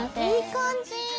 いい感じ！